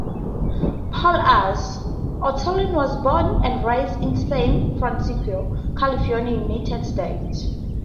Paul S. Otellini was born and raised in San Francisco, California, United States.